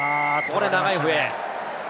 長い笛。